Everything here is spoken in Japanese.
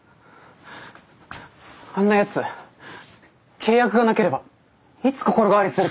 あんなやつ契約がなければいつ心変わりするか。